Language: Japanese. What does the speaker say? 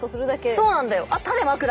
そうなんだよ。